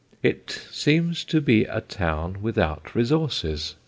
It seems to be a town without resources.